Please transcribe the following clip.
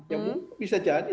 ya mungkin bisa jadi